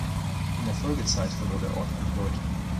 In der Folgezeit verlor der Ort an Bedeutung.